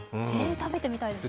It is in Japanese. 食べてみたいですね。